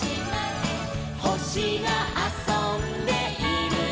「ほしがあそんでいるのかな」